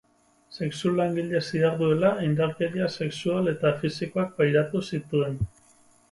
Sexu-langile ziharduela, indarkeria sexual eta fisikoak pairatu zituen.